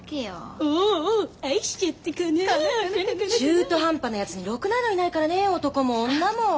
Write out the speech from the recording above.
中途半端なやつにろくなのいないからね男も女も。